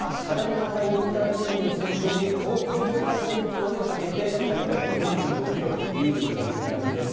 中井ＩＣを先頭に東京ＩＣにかけて最大４５ｋｍという渋滞です。